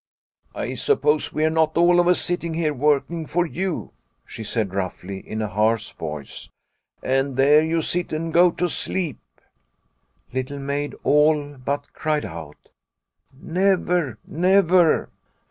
" I suppose we are not all of us sitting here working for you !" she said roughly, in a harsh voice. " And there you sit and go to sleep." Little Maid all but cried out " Never, never